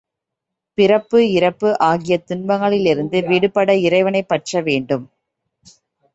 பிறப்பு, இறப்பு ஆகிய துன்பங்களிலிருந்து விடுபட இறைவனைப் பற்ற வேண்டும்.